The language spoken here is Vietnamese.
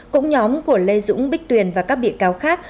cũng nhóm của lê dũng bích tuyền và các bị cáo khác